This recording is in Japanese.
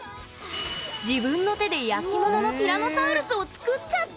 自分の手で焼き物のティラノサウルスを作っちゃった！